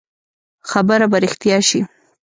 خبره به رښتيا شي.